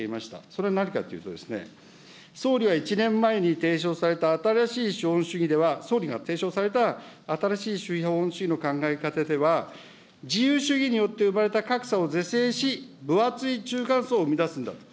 それは何かというとですね、総理は、１年前に提唱された新しい資本主義では、総理が提唱された新しい資本主義の考え方では、自由主義によって生まれた格差を是正し、分厚い中間層を生み出すんだと。